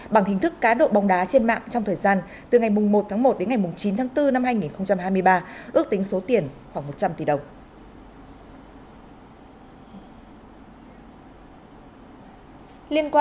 bằng hình thức cá độ bóng đá trên mạng trong thời gian từ ngày một một chín bốn hai nghìn hai mươi ba ước tính số tiền khoảng một trăm linh tỷ đồng